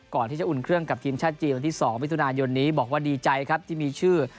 ก่อนที่จะอุ่นเครื่องกับทีมชาติจีนวันที่๒มิถุนายนนี้บอกว่าดีใจครับที่มีชื่อ